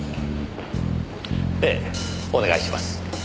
ええお願いします。